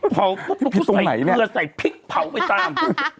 เผาปุ๊บปุ๊บใส่เผลอใส่พริกเผาไปตาม